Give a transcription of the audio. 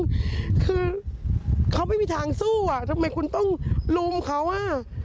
คือเขาไม่มีทางสู้อ่ะทำไมคุณต้องลุมเขาอ่ะ